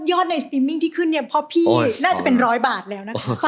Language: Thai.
ในสติมมิ่งที่ขึ้นเนี่ยเพราะพี่น่าจะเป็นร้อยบาทแล้วนะคะ